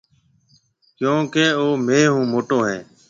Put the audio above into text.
ڪيونڪيَ او مهيَ هون موٽو هيَ